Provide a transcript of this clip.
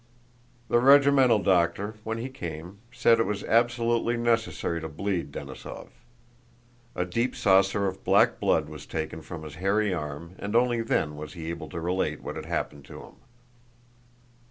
The regimental doctor, when he came, said it was absolutely necessary to bleed Denísov. A deep saucer of black blood was taken from his hairy arm and only then was he able to relate what had happened to him.